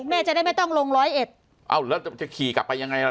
แม่จะได้ไม่ต้องลงร้อยเอ็ดอ้าวแล้วจะขี่กลับไปยังไงล่ะ